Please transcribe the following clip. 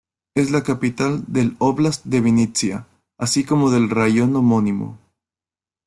Es la capital del óblast de Vinnytsia, así como del raión homónimo.